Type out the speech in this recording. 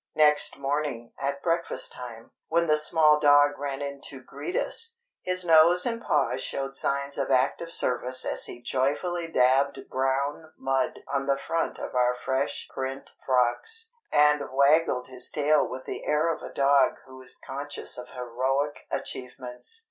Next morning, at breakfast time, when the small dog ran in to greet us, his nose and paws showed signs of active service as he joyfully dabbed brown mud on the front of our fresh print frocks, and waggled his tail with the air of a dog who is conscious of heroic achievements.